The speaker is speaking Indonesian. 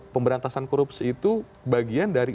pemberantasan korupsi itu bagian dari